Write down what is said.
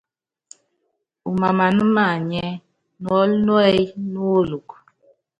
Úmáaman maanyɛ́, nuɔ́l núɛ́y móolúk.